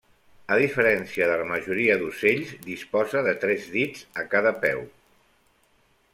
A diferència de la majoria d'ocells, disposa de tres dits a cada peu.